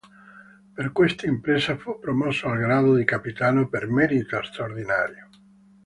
Per questa impresa fu promosso al grado di capitano per merito straordinario.